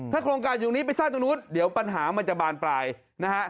โครงการอยู่ตรงนี้ไปสร้างตรงนู้นเดี๋ยวปัญหามันจะบานปลายนะฮะ